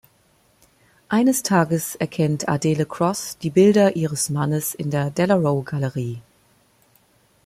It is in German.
Eines Tages erkennt Adele Cross die Bilder ihres Mannes in der Dellarowe-Galerie.